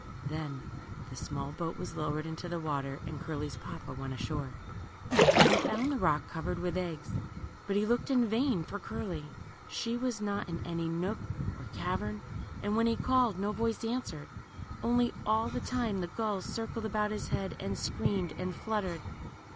Then the small boat was lowered into the water, and Curly's papa went ashore. He found the rock covered with eggs, but he looked in vain for Curly. She was not in any nook or cavern, and when he called no voice answered. Only, all the time, the gulls circled about his head, and screamed, and fluttered.